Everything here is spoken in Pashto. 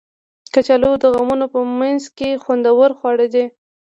کچالو د غمونو په منځ کې خوندور خواړه دي